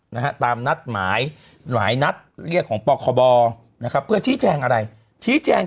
นะฮะตามนัดหมายหลายนัดเรียกของปคบนะครับเพื่อชี้แจงอะไรชี้แจง